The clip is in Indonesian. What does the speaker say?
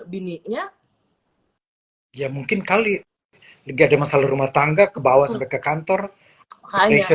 bininya ya mungkin kali lagi ada masalah rumah tangga ke bawah sampai ke kantor kepolisian